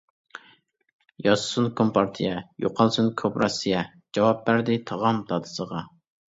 -ياشىسۇن كومپارتىيە، يوقالسۇن كوپىراتسىيە-جاۋاب بەردى تاغام دادىسىغا.